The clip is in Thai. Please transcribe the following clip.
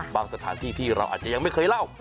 สถานที่ที่เราอาจจะยังไม่เคยเล่า